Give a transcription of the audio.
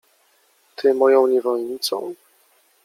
— Ty moją niewolnicą?